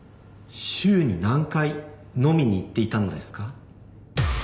週に何回飲みに行っていたのですか？